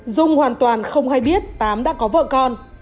dung hoàn toàn không hay biết tám đã có vợ con